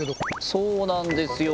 そうなんですよ。